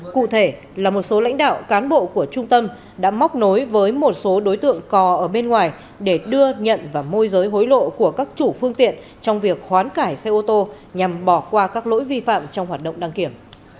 cụ thể là một số lãnh đạo cán bộ của trung tâm đã móc nối với một số đối tượng cò ở bên ngoài để đưa nhận và môi giới hối lộ của các chủ phương tiện trong việc hoán cải xe ô tô nhằm bỏ qua các lỗi vi phạm trong hoạt động đăng kiểm